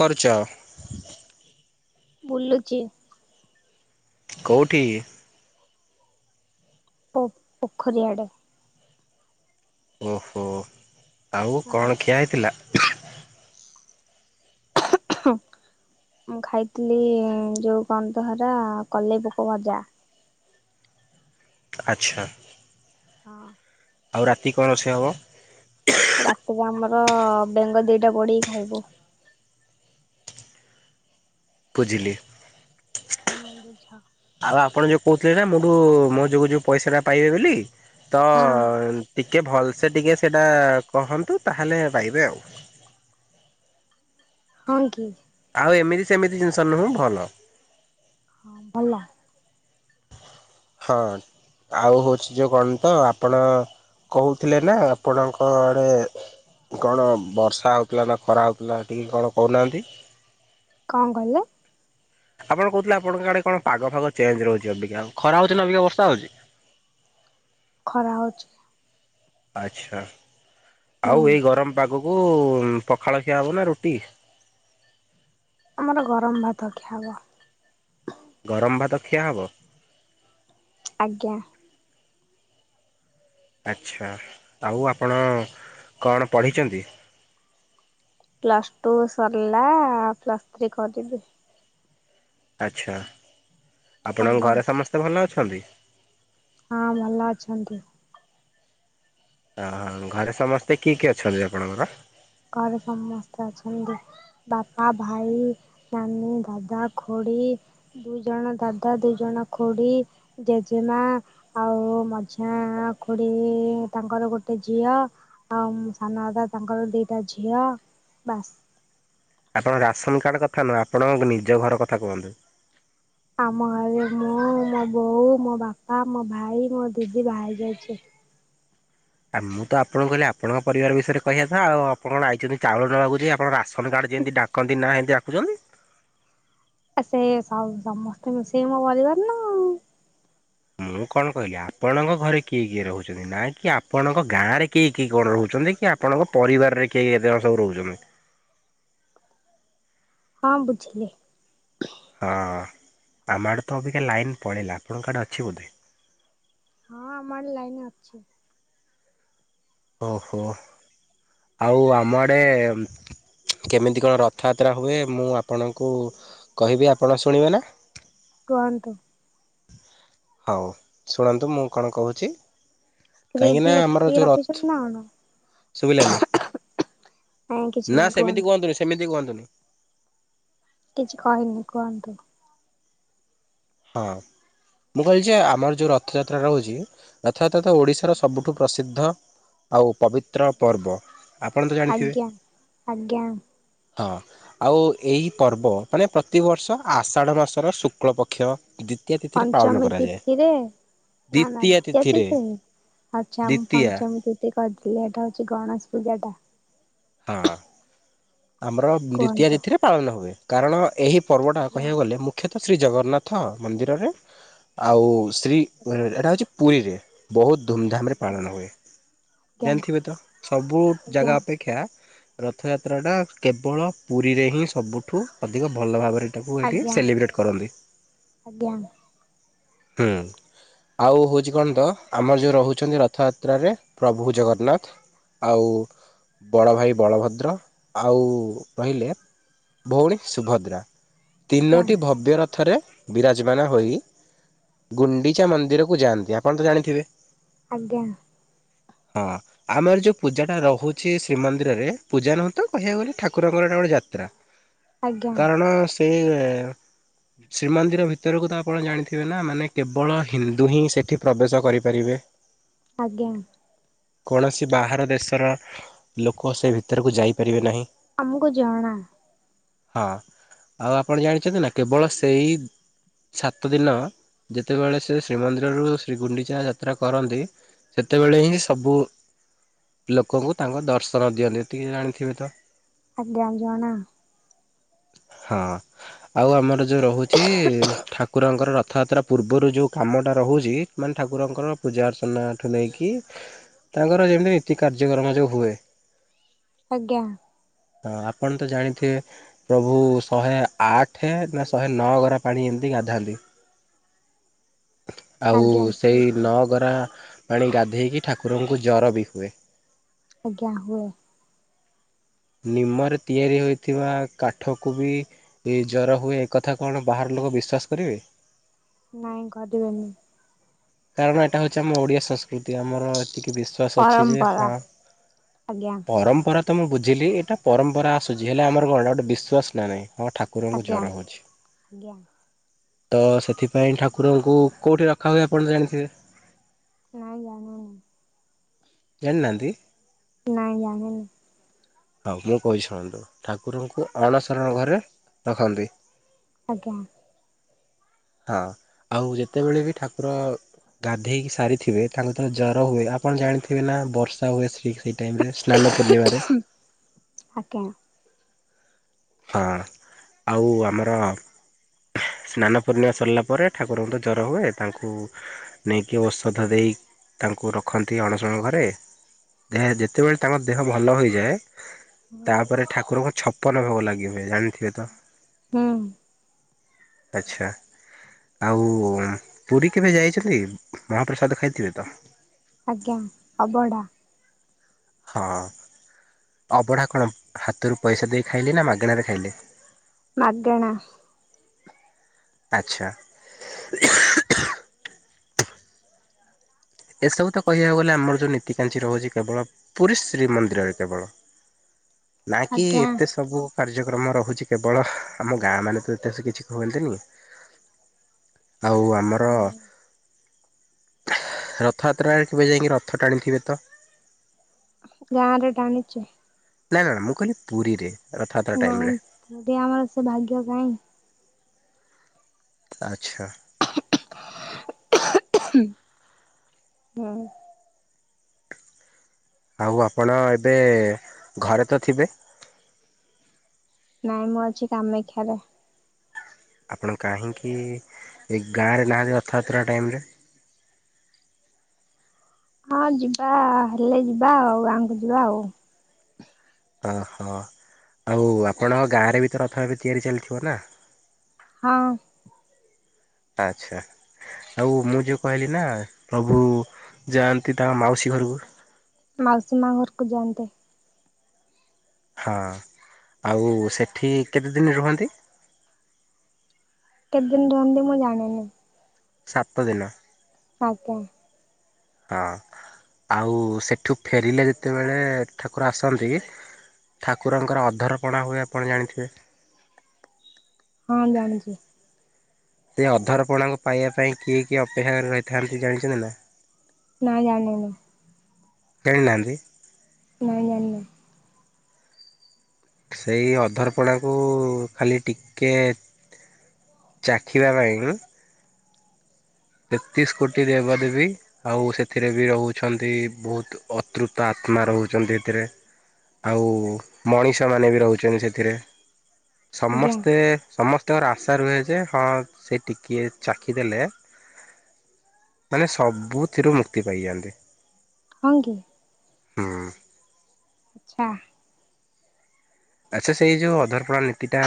କରୁଚ। ବୁଲୁଚି। କୋଉଠି? ପୋ ପୋଖରୀ ଆଡ଼େ। ଓହୋ ଆଉ କଣ ଖିଆ ହେଇଥିଲା? ଉହୁଁ, ଉହୁଁ ମୁଁ ଖାଇଥିଲି ଯୋଉ କନ୍ତହେରା କଲେଇ ପୋକ ଭଜା। ଆଚ୍ଛା। ହଁ। ଆଉ ରାତି କଣ ରୋଷେଇ ହବ? ରାତିରେ ଆମର ବେଙ୍ଗ ଦିଟା ପୋଢ଼ିକି ଖାଇବୁ। ପୁଝିଲି। ହୁଁ ବୁଝ। ଆଉ ଆପଣ ଯୋଉ କହୁଥିଲେ ନା ମୋଠୁ ମୋ ଯୋଗୁ ଯୋଉ ପଇସା ଟା ପାଇବେ ବୋଲି ତ ହଁ ଟିକଏ ଭଲସେ ଟିକେ ସେଇଟା କହନ୍ତୁ ତା ହେଲେ ପାଇବେ ଆଉ। ହଁ କି। ଆଉ ଏମିତି ସେମିତି ଜିନିଷ ନୁହେଁ ଭଲ। ହଁ ଭଲା। ହଁ ଆଉ ହଉଛି ଯ କଣ ତ ଆପଣ କହୁଥିଲେ ନା ଆପଣଙ୍କ ଆଡ଼େ କଣ ବର୍ଷା ହଉଥିଲା ନା ଖରା ହଉଥିଲା ଟିକେ କଣ କହୁନାହାନ୍ତି। କଣ କହିଲେ? ଆପଣ କହୁଥିଲେ ଆପଙ୍କ ଆଡେ କଣ ପାଗ ଫାଗ ଚେଞ୍ଜ ରହୁଛି ଅବିକା ଖରା ହଉଛିି ନା ଅବିକା ବର୍ଷା ହଉଛି? ଖରା ହଉଛି। ଆଚ୍ଛା ହୁଁ ଆଉ ଏଇ ଗରମ ପାଗକୁ ପଖାଳ ଖିଆ ହବନା ରୁଟି? ଆମର ଗରମ ଭାତ ଖିଆହବ। ଗରମ ଭାତ ଖିଆ ହବ? ଆଜ୍ଞା। ଆଚ୍ଛା, ଆଉ ଆପଣ କଣ ପଢ଼ିଛନ୍ତି? ପ୍ଲସ୍ଟୁ ସରିଲା ପ୍ଲସ୍ଥ୍ରୀ କରିବି। ଆଚ୍ଛା, ଆପଣଙ୍କ ଆଜ୍ଞା ଘରେ ସମସ୍ତେ ଭଲ ଅଛନ୍ତି? ହଁ ଭଲ ଅଛନ୍ତି। ଓହ, ଘରେ ସମସ୍ତେ କିଏ କିଏ ଅଛନ୍ତି ଆପଣଙ୍କର? ଘରେ ସମସ୍ତେ ଅଛନ୍ତି। ବାପା, ଭାଇ, ନାନୀ, ଦାଦା, ଖୁଡ଼ି। ଦୁଇ ଜଣ ଦାଦା, ଦୁଇ ଜଣ ଖୁଡି, ଜେଜେମା। ଆଉ ମଝିଆଁ ଖୁଡି ତାଙ୍କର ଗୋଟେ ଝିଅ। ଆଉ ମ୍ ସାନଦାଦା ତାଙ୍କର ଦିଇଟା ଝିଅ, ବାସ୍। ଆପଣଙ୍କ ରାସନ କାର୍ଡ଼ କଥା ନୁହେଁ ଆପଣଙ୍କ ନିଜ ଘର କଥା କୁହନ୍ତୁ? ଆମ ଘରେ ମୁଁ, ମୋ ବୋଉ, ମୋ ବାପା, ମୋ ଭାଇ, ମୋ ଦିଦି ବାହା ହେଇଯାଇଛି। ଆ ମୁଁ ତ ଆପଣଙ୍କୁ କହିଲି ଆପଣଙ୍କ ପରିବାର ବିଷୟରେ କହିବାଥା ଆଉ ଆପଣ କଣ ଆଇଛନ୍ତି ଚାଉଳ ନବାକୁ ଯେ ଆପଣ ରାସନ କାର୍ଡ ଯେମିତି ଡା କଣ ଦିନରେ ହେମିତି ଆଖୁଛନ୍ତି? ଆ, ସେ, ସମ୍ ସମସ୍ତେ ମିଶିକି ମୋ ପରିବାର ନା ଆଉ। ମୁଁ କଣ କହିଲି ଆପଣଙ୍କ ଘରେ କିଏ କିଏ ରହୁଛନ୍ତି ନାଁ କି ଆପଣଙ୍କ ଗାଁରେ କିଏ କି କଣ ରହୁଛନ୍ତି କି ଆ ଆପଣଙ୍କ ପରିବାରରେ କେଇ କେତେଜଣ ସବୁ ରହୁଛନ୍ତି? ହଁ ବୁଝିଲି। ଅ, ଆମଆଡ଼େ ତ ଅବିକା ଲାଇନ୍ ପଳେଇଲା, ଆପଣଙ୍କ ଆଡ଼େ ଅଛି ବୋଧେ? ହଁ ଆମଆଡ଼େ ଲାଇନ୍ ଅଛି। ଓହୋ, ଆଉ ଆମ ଆଡ଼େ କେମିତି କଣ ରଥଯାତ୍ରା ହୁଏ ମୁଁ ଆପଣଙ୍କୁ କହିବି ଆପଣ ଶୁଣିବେ ନା? କୁହନ୍ତୁ? ହଉ ଶୁଣନ୍ତୁ ମୁଁ କଣ କହୁଛି। କାହିଁକି ନା ସ୍କ୍ରିପ୍ଟ ଆମର ଲେଖିକି ଯୋଉ ରଥ ରଖିଛନ୍ତି ନା ଶୁଭିଲାନି କଣ? ନାଇଁ କିଛି ନା ନାହିଁ ସେମିତି କୁହନ୍ତୁ? କୁହନ୍ତୁନି ସେମିତି କୁହନ୍ତୁନି। କିଛି କହିନି କୁହନ୍ତୁ? ହଁ ମୁଁ କହିଲି ଯେ ଆମର ଯୋଉ ରଥଯାତ୍ରା ରହୁଛି, ରଥଯାତ୍ରା ତ ଓଡ଼ିଶାର ସବୁଠୁ ପ୍ରସିଦ୍ଧ। ଆଉ ପବିତ୍ର ପର୍ବ, ଆପଣ ତ ଜାଣିଥିବେ? ଆଜ୍ଞା। ଆଜ୍ଞା ହଁ, ଆଉ ଏହି ପର୍ବ ମାନେ ପ୍ରତିବର୍ଷ ଆଷାଢ଼ ମାସର ଶୁକ୍ଳପକ୍ଷ [unintelligible] ପଞ୍ଚମୀ ତିଥିରେ ନା, ନା ଦ୍ଵିତୀୟା କେତେ ତିଥିରେ ଶେଣୀ, ଆଚ୍ଛା ମୁ ଦ୍ଵିତୀୟା ପଞ୍ଚମ ତି ସେ ଗର୍ଜିଲାଟା ହଉଚି ଗଣେଶ ପୂଜାଟା। ହଁ, ଆମର ଦ୍ଵିତୀୟା କୁହନ୍ତୁ। ତିଥିରେ ପାଳନ ହୁଏ, କାରଣ ଏହି ପର୍ବଟା ଆଜ୍ଞା କହିବାକୁ ଗଲେ ମୁଖ୍ୟତଃ ଶ୍ରୀ ଜଗନ୍ନାଥ ମନ୍ଦିରରେ ଆଉ ଶ୍ରୀ ଆଜ୍ଞା ମୟୁରଭଞ୍ଜ, ଏଟା ହଉଛି ପୁରୀରେ। ବହୁତ ଧୁମ୍ ଧାମ୍ ରେ ଆଜ୍ଞା ପାଳନ ହୁଏ, ଆଜ୍ଞା ଜାଣିଥିବେ ତ ସବୁ ଆଜ୍ଞା ଜାଗା ଅପେ କ୍ଷା, ରଥଯାତ୍ରାଟା କେବଳ ପୁରୀରେ ହିଁ ସବୁଠୁ ଅଧିକ ଭଲ ଭାବରେ ତାକୁ ଏଠି ଆଜ୍ଞା ସେଲିବ୍ରେଟ୍ କରନ୍ତି, ଆଜ୍ଞା ଆଜ୍ଞା ହୁଁ। ଆଉ ହଉଛି କଣ ତ, ଆମର ଯେଉଁ ରହୁଛନ୍ତି ରଥଯାତ୍ରାରେ ପ୍ରଭୁ ଜଗନ୍ନାଥ? ଆଉ। ବଡ଼ ଭାଇ ବଳଭଦ୍ର, ଆଉ ରହିଲେ ଭଉଣୀ ସୁଭଦ୍ରା, ତିନୋଟି ଭବ୍ୟ ରଥରେ ବିରାଜମାନ ହୋଇ ଗୁଣ୍ଡିଚା ମନ୍ଦିରକୁ ଯାଆନ୍ତି, ଆପଣ ତ ଜାଣିଥିବେ? ଆଜ୍ଞା। ହଁ, ଆମର ଯୋଉ ପୂଜା ଟା ରହୁ କିଛି ଶ୍ରୀମନ୍ଦିରରେ ପୂଜା ନୁହଁ ତ, କହିବାକୁ ଗଲେ ଠାକୁରଙ୍କର ଏଇଟା ଗୋଟେ ଯାତ୍ରା। ଆଜ୍ଞା କାରଣ ସେ ଶ୍ରୀମନ୍ଦିର ଭିତରକୁ ତ ଆପଣ ଜାଣିଥିବେ ନା, ମାନେ କେବଳ ହିନ୍ଦୁ ହିଁ ସେଠି ପ୍ରବେଶ କରିପାରିବେ। ଆଜ୍ଞା। କୌଣସି ବାହାର ଦେଶର ଲୋକ ସେ ଭିତରକୁ ଯାଇପାରିବେ ନାହିଁ। ଆମକୁ ଜଣା। ହଁ, ଆଉ ଆପଣ ଜାଣିଛନ୍ତି ନା? କେବଳ ସେଇ ସାତ ଦିନ ଯେତେବେଳେ ସେ ଶ୍ରୀମନ୍ଦିରରୁ ଶ୍ରୀ ଗୁଣ୍ଡିଚା ଯାତ୍ରା କରନ୍ତି। ସେତେବେଳେ ହିଁ, ସବୁ ଲୋକଙ୍କୁ ତାଙ୍କ ଦର୍ଶନ ଦିଅନ୍ତି, ଏତିକି ଜାଣିଥିବେ ତ ଆଜ୍ଞା, ଜଣା। ହଁ, ଆଉ ଆମର ଯୋଉ ରହୁଛି, ଠାକୁରଙ୍କର ରଥଯାତ୍ରା ପୂର୍ବରୁ ଯେଉଁ କାମଟା ରହୁଛି, ମାନେ ଠାକୁରଙ୍କର ପୂଜା ଅର୍ଚ୍ଚନାଠୁ ନେଇକି ତାଙ୍କର ଯେମିତି ନୀତି କାର୍ଯ୍ୟକ୍ରମ ଯୋଉ ହୁଏ। ଆଜ୍ଞା। ହଁ, ଆପଣ ତ ଜାଣିଥିବେ। ପ୍ରଭୁ ଶହେ ଆଠେ ନା ଶହେ ନଅ ଘରା ପାଣି ଏମିତି ଗାଧାନ୍ତି। [inaudible] ଆଉ ଆଜ୍ଞା ସେଇ ହେଇଥିବ ନଅ ଗରା ପାଣି ଗାଧୋଇକି ଠାକୁରଙ୍କୁ ଜର ବି ହୁଏ। ଆଜ୍ଞା, ହୁଏ। ନିମରେ ତିଆରି ହୋଇଥିବା କାଠକୁ ବି ଏଇ ଜର ହୁଏ, ଏ କଥା କଣ ବାହାର ଲୋକ ବିଶ୍ଵାସ କରିବେ? ନାଇଁ, ଘଡ଼ିବେନି। କାରଣ ଏଇଟା ହଉଛି ଆମ ଓଡ଼ିଆ ସଂସ୍କୃତି। ଆମର ଏତିକି ବିଶ ଶ୍ୱାସ ଅଛି, ଯେ ପରମ୍ପରା ଆଜ୍ଞା ହଁ, ପରମ୍ପରା ତ ମୁଁ ବଝିଲି, ଏଟା ପରମ୍ପରା ଆସୁଛି। ହେଲେ ଆମର କଣ ଗୋଟେ ବିଶ୍ୱାସ ନା ନାହିଁ? ହଁ, ଠା ଠାକୁରଙ୍କୁ ଆଜ୍ଞା ଜର ହେଉଛି। ଆଜ୍ଞା ତ ସେଥିପାଇଁ ଠାକୁରଙ୍କୁ କେଉଁଠି ରଖାହୁଏ, ଆପଣ ଜାଣିଥିବେ? ନାଇଁ, ଜାଣେନି। ଜାଣି ନାହାନ୍ତି? ନାଇଁ, ଜାଣେନି। ହଉ, ମୁଁ କହି ଶୁଣନ୍ତୁ, ଠାକୁରଙ୍କୁ ଅଣସର ଘରେ ରଖନ୍ତି। ଆଜ୍ଞା। ହଁ, ଆଉ ଯେତେବେଳେ ବି ଠାକୁର ଗାଧେଇକି ସାରିଥିବେ, ତାଙ୍କୁ ଥରେ ଜର ହୁଏ, ଆପଣ ଜାଣିଥିବେ ନା? ବର୍ଷା ହୁଏ, ସି ସି ଟାଇମ୍ରେ ସ୍ନାନ ପୂର୍ଣ୍ଣିମାରେ। ଆଜ୍ଞା। ହଁ, ଆଉ ଆମର ସ୍ନାନ ପୂର୍ଣ୍ଣିମା ସରିଲା ପରେ ଠାକୁରଙ୍କୁ ତ ଜର ହୁଏ ତାଙ୍କୁ ନେଇକି ଔଷଧ ଦେଇ ତାଙ୍କୁ ରଖନ୍ତି ଅଣସଣ ଘରେ। ଦେହା ଯେତେବେଳେ ତାଙ୍କର ଦେହ ଭଲ ହୋଇଯାଏ ହଁ ତାପରେ ଠାକୁରଙ୍କୁ ଛପନ ଭୋଗ ଲାଗି ହୁଏ ଜାଣିଥିବେ ତ? ହଁ। ଆଚ୍ଛା। ଆଉ ପୁରୀ କେବେ ଯାଇଛନ୍ତି ମହାପ୍ରସାଦ ଖାଇଥିବେ ତ? ଆଜ୍ଞା ଅଵଢ଼ା। ହଁ। ଅବଢା କଣ ହାତରୁ ପଇସା ଦେଇ ଖାଇଲେ ନା ମାଗଣାରେ ଖାଇଲେ? ମାଗଣା। ଆଚ୍ଛା। ଏସବୁ ତ କହିବାକୁ ଗଲେ ଆମର ଯୋଉ ନୀତିକାାଞ୍ଚି ରହୁଛି କେବଳ ପୁରୀ ଶ୍ରୀ ମନ୍ଦିରରେ କେବଳ। [inaudible] ନା କି ଆଜ୍ଞା ଏତେ ସବୁ କାର୍ଯ୍ୟକ୍ରମ ରହୁଛି କେବଳ ଆମ ଗାଁ ମାନେ ତ ଏତେ କିଛି କୁହନ୍ତିନି। ଆଉ ଆ ନାଇଁ। ରଥଯାତ୍ରାରେ କେବେ ଯାଇକି ରଥ ଟାଣିଥିବେ ତ? ଗାଁ ରେ ଟାଣିଛେ। ନାଇଁ ନାଇ ମୁଁ କହିଲି ପୁରୀରେ? ରଥଯାତ୍ରା ଟାଇମରେ ନାଇଁ [unintelligible] ଆମର ସେ ଭାଗ୍ୟ କାହିଁ। ଆଚ୍ଛା। ହଁ। ଆଉ ଆପଣ ଏବେ ଘରେ ତ ଥିବେ? ନାଇଁ ମୁଁ ଅଛି କାମାକ୍ଷାରେ। ଆପଣ କାହିଁକି ଏ ଗାଁରେ ନାହାଁନ୍ତି ରଥଯାତ୍ରା ଟାଇମ୍ରେ? ହଁ ଯିବା ହେଲେ ଯିବା ଆଉ ଗାଁ କୁ ଯିବା ଆଉ। ଓହୋ ଆଉ ଆପଣଙ୍କ ଗାଁରେ ବି ତ ରଥ ଏବେ ତିଆରି ଚାଲିଥିବ ନା? ହଁ। ଆଚ୍ଛା। ଆଉ ମୁଁ ଯୋଉ କହିଲି ନା ପ୍ରଭୁ ଯାଆନ୍ତି ତାଙ୍କ ମାଉସୀ ଘରକୁ ମାଉସୀ ମା ଘରକୁ ଯାଆନ୍ତେ। ହଁ ଆଉ ସେଠି କେତେଦିନ ରୁହନ୍ତି? କେତେ ଦିନ ରୁହନ୍ତି ମୁଁ ଜାଣିନି। ସାତ ଦିନ। ଆଜ୍ଞା। ହଁ ଆଉ ସେଠୁ ଫେରିଲେ ଯେତେବେଳେ ଠାକୁର ଆସନ୍ତି ଠାକୁରଙ୍କର ଅଧରପଣା ହୁଏ ଆପଣ ଜାଣିଥିବେ? ହଁ ଜାଣିଛି। ସେ ଅଧାରପଣାଙ୍କ ପାଇବା ପାଇଁ କିଏ କିଏ ଅପେକ୍ଷା କରି ରହିଥାନ୍ତି ଜାଣିଛନ୍ତି ନା? ନା ଜାଣେନି। [unintelligible] ନାହାନ୍ତି? ନାଇଁ ଜାଣି ନାଇ। ସେଇ ଅଧାରପଣକୁ ଖାଲି ଟିକଏ ଚାଖି ପାଇଁ ତେତିଶ କୋଟି ଦେବା ଦେବୀ ଆଉ ସେଥିରେ ବି ରହୁଛନ୍ତି ବହୁତ ଅତୃପ୍ତ ଆତ୍ମା ରହୁଛନ୍ତି ସେଥିରେ ଆଉ ମଣିଷମାନେ ବି ରହୁଛନ୍ତି ସେଥିରେ ଆଜ୍ଞା ସମସ୍ତେ ସମସ୍ତଙ୍କର ଆଶା ରୁହେ ଯେ ହଁ ସେ ଟିକିଏ ଚାଖି ଦେଲେ ମାନେ ସବୁଥିରୁ ମୁକ୍ତି ପାଇଯାଆନ୍ତି। ହଁ କି? ହଁ। ଆଛା। ଆଚ୍ଛା ସେଇ ଯୋଉ ଅଧର୍ପଣା ନୀତି ଟା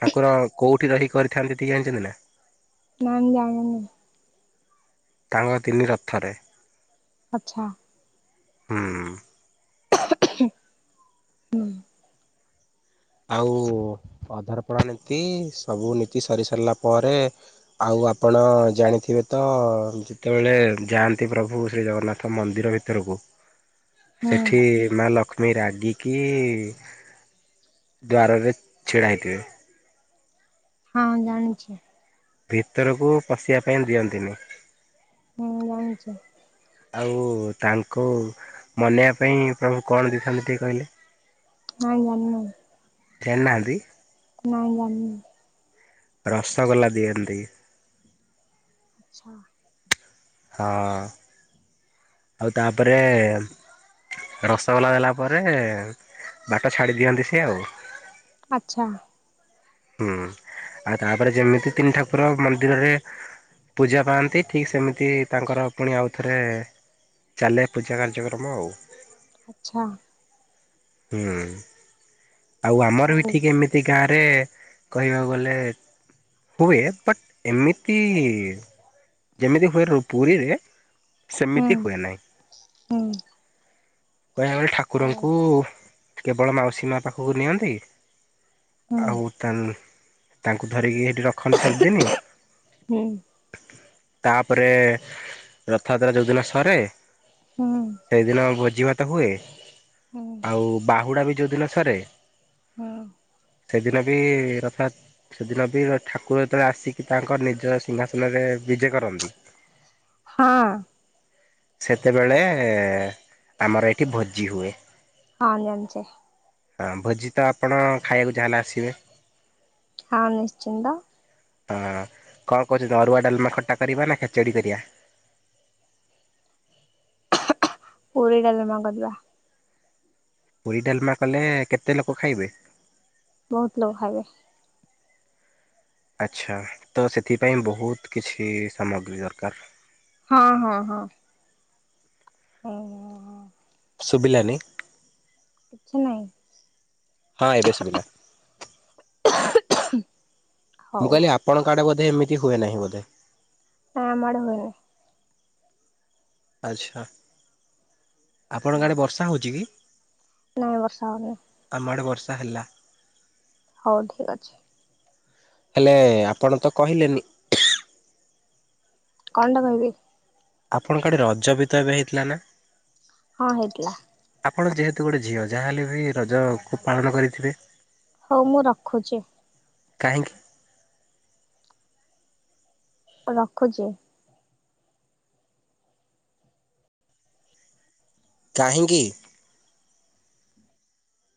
ଠାକୁର କୋଉଠି ରହି କରିଥାନ୍ତି ଟିକେ ଜାଣିଛନ୍ତି ନା? ନା ଯାଣିନି। ତାଙ୍କ ତିନି ରଥରେ। ଆଚ୍ଛା। ହୁଁ। ହୁଁ। ଆଉ ଅଧରପଣା ନୀତି ସବୁ ନୀତି ସରି ସାରିଲା ପରେ ଆଉ ଆପଣ ଜାଣିଥିବେ ତ ଯେତେବେଳେ ଯାଆନ୍ତି ପ୍ରଭୁ ଶ୍ରୀ ଜଗନ୍ନାଥ ତ ମନ୍ଦିର ଭିତରକୁ ହୁଁ ସେଠି ମା ଲକ୍ଷ୍ମୀ ରାଗିକି ଦ୍ୱାରରେ ଛିଡ଼ା ହେଇଥିବେ? ହଁ ଜାଣିଛି। ଭିତରକୁ ପଶିବା ପାଇଁ ଦିଅନ୍ତିନି। ହୁଁ ଜାଣିଛି। ଆଉ ତାଙ୍କୁ ମନେଇବା ପାଇଁ ପ୍ରଭୁ କଣ ଦେଇଥାନ୍ତି ଟିକେ କହିଲେ? ନାଇଁ ଜାଣିନୁ। ଜାଣି ଯାହାନ୍ତି? ନାଇଁ ଜାଣି। ରସଗୋଲା ଦିଅନ୍ତି। ଆଛା। ହଁ। ଆଉ ତାପରେ ରସଗୋଲା ଦେଲା ପରେ ବାଟ ଛାଡ଼ି ଦିଅନ୍ତି ସିଏ ଆଉ। ଆଚ୍ଛା। ହୁଁ ଆଉ ତାପରେ ଯେମିତି ତିନି ଠାକୁର ମନ୍ଦିରରେ ପୂଜା ପାଆନ୍ତି ଠିକ୍ ସେମିତି ତାଙ୍କର ପୁଣି ଆଉଥରେ ଚାଲେ ପୂଜା କାର୍ଯ୍ୟକ୍ରମ ଆଉ। ଆଛା। ହୁଁ ଆଉ ଆମର ବି ହଉ ଠିକ ଏମିତି ଗାଁରେ କହିବାକୁ ଗଲେ ହୁଏ ବଟ୍ ଏମିତି ଯେମିତି ହୁଏ ର ପୁରୀରେ ସେମିତି ହୁଁ ହୁଏ ନାହିଁ ହୁଁ କହିବା ବଳେ ହଉ ଠାକୁରଙ୍କୁ କେବଳ ମାଉସୀ ମା ପାଖକୁ ନିଅନ୍ତି ହୁଁ ଆଉ ତାଙ୍କୁ ଧରିକି ଏଠି ରଖନ୍ତି ସାତଦିନ। ହୁଁ ତାପରେ ରଥଯାତ୍ରା ଯଉଦିନ ସରେ। ହୁଁ। ସେଇଦିନ ଭୋଜିଭାତ ହୁଏ ହୁଁ। ଆଉ ବାହୁଡ଼ା ବି ଯେଉଁଦିନ ସରେ ହୁଁ। ସେଦିନ ବି ରଥାଯା ସେଦିନ ବି ଠାକୁର ଯେତେବେଳେ ଆସିକି ତାଙ୍କର ନିଜ ସିଂହାସନରେ ବିଜେ କରନ୍ତି। ହଁ। ସେତେବେଳେ ଆମର ଏଠି ଭୋଜି ହୁଏ। ହଁ ମୁଁ ଜାଣିଚି। ହଁ ଭୋଜି ତ ଆପଣ ଖାଇବାକୁ ଯାହେଲେ ଆସିବେ? ହଁ ନିଶ୍ଚିନ୍ତ। ହଁ କଣ କହୁଛନ୍ତି ଅରୁଆ ଡାଲମା ଖଟା କରିବା ନା ଖେଚଡ଼ି କରିବା? ପୁରୀ ଡାଲମା କରିଦବା। ପୁରୀ ଡାଲମା କଲେ କେତେ ଲୋକ ଖାଇବେ? ବହୁତ୍ ଲୋକ ଖାଇବେ। ଆଚ୍ଛା ତ ସେଥିପାଇଁ ବହୁତ୍ କିଛି ସାମଗ୍ରୀ ଦରକାର୍। ହଁ ହଁ ହଁ। ହିଁ ହଁ। ସୁବିଲାନି। କିଛି ହଁ ଏବେ ଶୁଭିଲା ନାଇଁ। ମୁଁ କହିଲି ଆପଣଙ୍କ ଆଡ଼େ ବୋଧେ ଏମିତି ହୁଏନାହିଁ ବୋଧେ? ହଁ ଆମଆଡ଼େ ହୁଏନି। ଆଚ୍ଛା ଆପଣଙ୍କ ଗାଁ ଆଡ଼େ ବର୍ଷା ହଉଚିକି? ନାଇଁ ବର୍ଷା ହେଉନାଇଁ। ଆମଆଡ଼େ ବର୍ଷା ହେଲା। ହଉ ଠିକ୍ ଅଛି। ହେଲେ ଆପଣ ତ କହିଲେନି କଣ ଟା କହିବି? ଆପଣଙ୍କ ଆଡ଼େ ରଜବି ତ ଏବେ ହେଇଥିଲା ନା? ହଁ ହେଇଥିଲା। ଆପଣ ଯେହେତୁ ଗୋଟେ ଝିଅ ଯାହାହଲେ ବି ରଜକୁ ପାଳନ କରିଥିବେ? ହଉ ମୁଁ ରଖୁଚି। କାହିଁକି? ରଖୁଚି। କାହିଁକି?